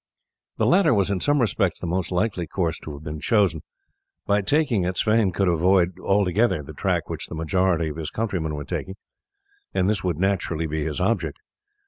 The latter was in some respects the most likely course to have been chosen. By taking it Sweyn would avoid altogether the track which the majority of his countrymen were taking, and this would naturally be his object.